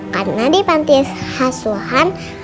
karena di panti hasuhan